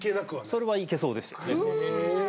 それはいけそうですよ。